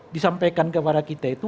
disampaikan kepada kita itu